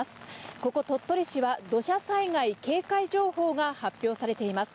ここ、鳥取市は土砂災害警戒情報が発表されています。